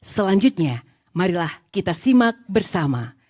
selanjutnya marilah kita simak bersama